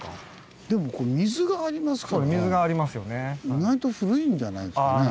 意外と古いんじゃないですかね。